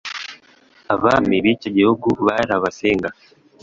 Abami b'icyo gihugu bari Abasinga.